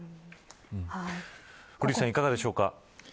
古市さん、いかがでしょうか。